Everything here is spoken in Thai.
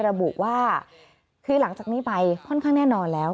ระบุว่าคือหลังจากนี้ไปค่อนข้างแน่นอนแล้ว